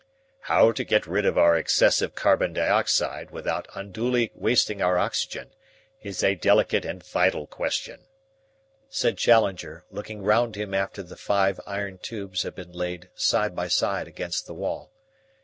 "How to get rid of our excessive carbon dioxide without unduly wasting our oxygen is a delicate and vital question," said Challenger, looking round him after the five iron tubes had been laid side by side against the wall.